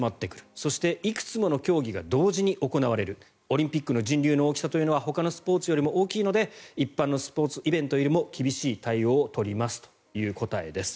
そしていくつもの競技が同時に行われるオリンピックの人流の大きさというのはほかのスポーツよりも大きいので一般のスポーツイベントよりも厳しい対応を取りますという答えです。